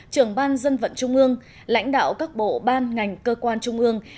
trưởng ban dân vận trung ương lãnh đạo các bộ ban ngành cơ quan trung ương